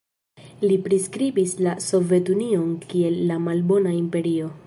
Li priskribis la Sovetunion kiel "la malbona imperio".